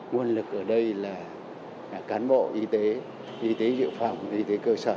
nguồn lực ở đây là cán bộ y tế y tế dự phòng y tế cơ sở